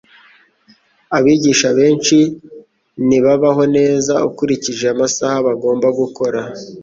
Abigisha benshi ntibabaho neza ukurikije amasaha bagomba gukora.